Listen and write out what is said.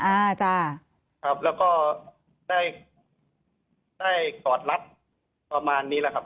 อ่าจ้ะครับแล้วก็ได้ได้กอดรัดประมาณนี้แหละครับ